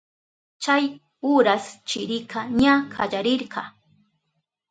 Chay uras chirika ña kallarirka.